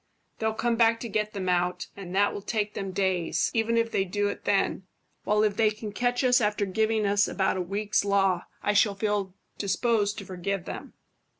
They'll come back to get them out, and that will take them days, even if they do it then; while if they can catch us after giving us about a week's law, I shall feel disposed to forgive them."